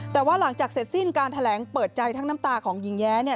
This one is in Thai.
แต่ว่าหลังจากเสร็จสิ้นการแถลงเปิดใจทั้งน้ำตาของหญิงแย้เนี่ย